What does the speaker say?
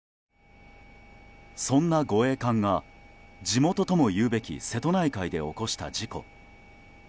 そんな護衛艦が地元とも言うべき瀬戸内海で起こした事故。